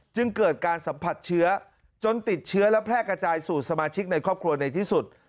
จึงเกิดการสัมผัสเชื้อจนติดเชื้อและแพร่กระจายสู่สมาชิกในครอบครัวในที่สุด